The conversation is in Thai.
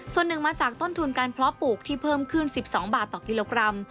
ส่วนหนึ่งมาจากต้นทุนการเพาะปลูกที่เพิ่มขึ้น๑๒บาทต่อกิโลกรัม